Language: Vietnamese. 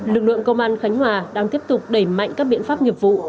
lực lượng công an khánh hòa đang tiếp tục đẩy mạnh các biện pháp nghiệp vụ